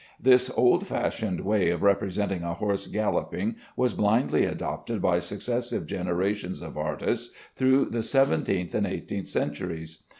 This old fashioned way of representing a horse galloping was blindly adopted by successive generations of artists through the seventeenth and eighteenth centuries.